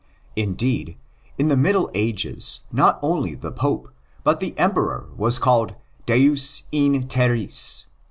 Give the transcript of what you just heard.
Indeed, in the Middle Ages, not only the Pope but the Emperor was called deus in terris.